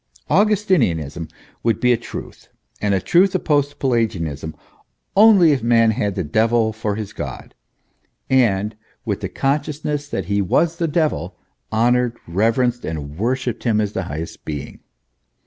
Augus tinianism would be a truth, and a truth opposed to Pela gianism, only if man had the devil for his God, and with the consciousness that he was the devil, honoured, reverenced, and worshipped him as the highest being.